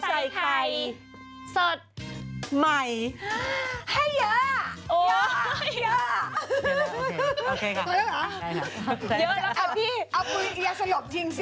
เอามืออย่าสลบจริงสิ